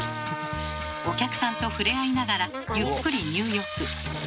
お客さんとふれあいながらゆっくり入浴。